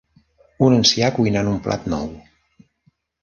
Un ancià cuinant un plat nou.